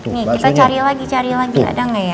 nih kita cari lagi cari lagi ada nggak ya